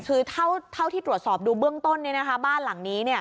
คือเท่าที่ตรวจสอบดูเบื้องต้นบ้านหลังนี้